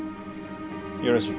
よろしい。